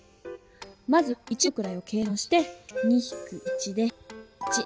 まずは一のくらいを計算して２ひく１で１。